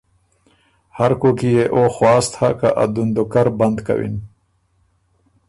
هرکوک کی يې او خواست هۀ که ا دُندُوکر بند کَوِن